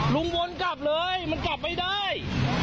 วนกลับเลยมันกลับไม่ได้